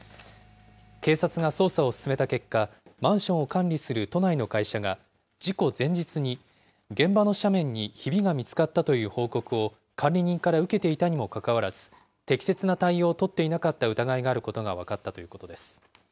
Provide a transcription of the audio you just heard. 警察が捜査を進めた結果、マンションを管理する都内の会社が、事故前日に現場の斜面にひびが見つかったという報告を管理人から受けていたにもかかわらず、適切な対応を取っていなかった疑いがあることが分かったということです。